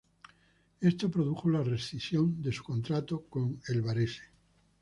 Esto produjo la rescisión de su contrato con el Varese.